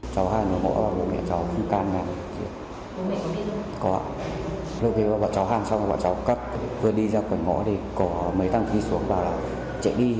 cháu hàn xong rồi bọn cháu cắt vừa đi ra quả ngó để có mấy thằng đi xuống bảo là chạy đi